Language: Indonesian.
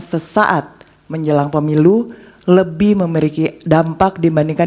sesaat menjelang pemilu lebih memiliki dampak dibandingkan